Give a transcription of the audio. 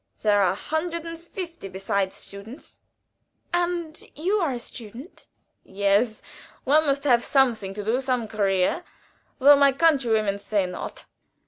There are a hundred and fifty besides students." "And you are a student?" "Yes. One must have something to do some carrière though my countrywomen say not.